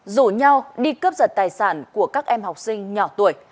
rủ nhau đi cướp giật tài sản của các em học sinh nhỏ tuổi